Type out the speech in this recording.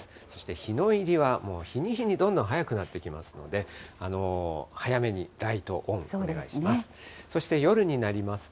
そして日の入りはもう日に日にどんどん早くなってきますので、早めにライトオン、お願いします。